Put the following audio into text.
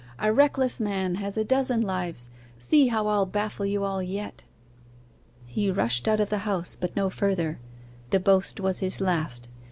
'A reckless man has a dozen lives see how I'll baffle you all yet!' He rushed out of the house, but no further. The boast was his last.